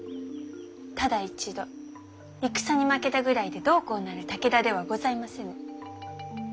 ただ一度戦に負けたぐらいでどうこうなる武田ではございませぬ。